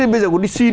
bây giờ có đi xin